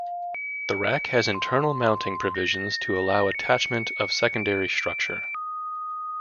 The rack has internal mounting provisions to allow attachment of secondary structure.